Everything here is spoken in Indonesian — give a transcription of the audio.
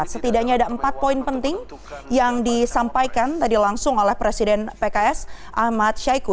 setidaknya ada empat poin penting yang disampaikan tadi langsung oleh presiden pks ahmad syahiku